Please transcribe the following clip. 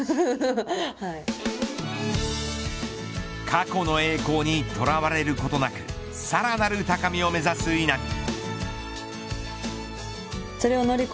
過去の栄光にとらわれることなくさらなる高みを目指す稲見。